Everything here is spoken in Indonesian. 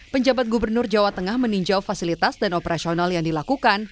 penjabat gubernur jawa tengah meninjau fasilitas dan operasional yang dilakukan